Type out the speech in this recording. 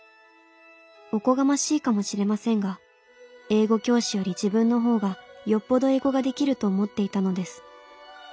おこがましいかもしれませんが英語教師より自分の方がよっぽど英語ができると思っていたのです。